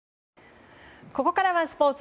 ここからはスポーツ。